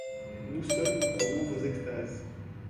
Nous seuls comprenons vos extases.